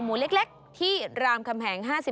หมูเล็กที่รามคำแห่ง